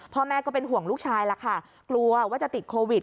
พ่อแม่ก็เป็นห่วงลูกชายล่ะค่ะกลัวว่าจะติดโควิด